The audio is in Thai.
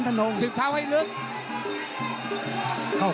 ตามต่อยกที่๓ครับ